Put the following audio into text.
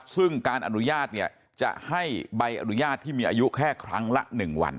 ซึ่งการอนุญาตเนี่ยจะให้ใบอนุญาตที่มีอายุแค่ครั้งละ๑วัน